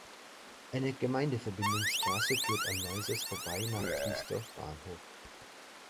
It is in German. Eine Gemeindeverbindungsstraße führt an Neuses vorbei nach Triesdorf Bahnhof.